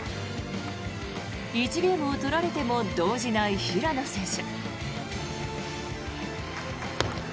１ゲームを取られても動じない平野選手。